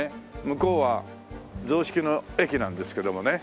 向こうは雑色の駅なんですけどもね。